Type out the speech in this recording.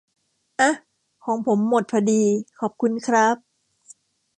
อ๊ะ ของผมหมดพอดี ขอบคุณครับ